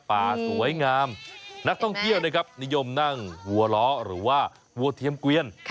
ป่าสวยงามนักท่องเที่ยวนะครับนิยมนั่งหัวล้อหรือว่าวัวเทียมเกวียน